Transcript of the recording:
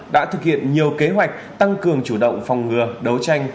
đã thực hiện nhiều kế hoạch tăng cường chủ động phòng ngừa đấu tranh